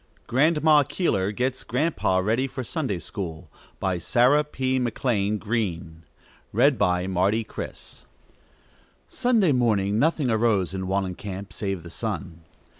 GRANDMA KEELER GETS GRANDPA READY FOR SUNDAY SCHOOL BY SARAH P. McLEAN GREENE Sunday morning nothing arose in Wallencamp save the sun.